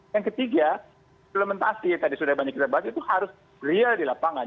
yang ketiga implementasi yang tadi sudah banyak kita bahas itu harus real di lapangan